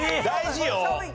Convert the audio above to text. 大事よ。